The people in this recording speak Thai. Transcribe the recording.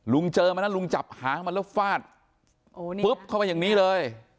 ลุงเจอมันลุงจับหาไปแล้วฟาดเข้าไปอย่างนี้เลย